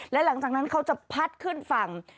และหลังจากนั้นเขาจะพัดขึ้นฝั่ง